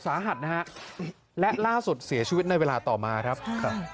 สาหัสนะฮะและล่าสุดเสียชีวิตในเวลาต่อมาครับครับ